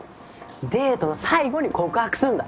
デートの最後に告白すんだ。